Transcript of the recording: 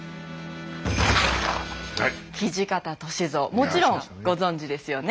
もちろんご存じですよね？